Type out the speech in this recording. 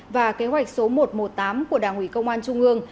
và kế hoạch số một trăm một mươi tám của đảng ủy công an trung ương